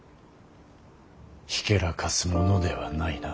ひけらかすものではないな。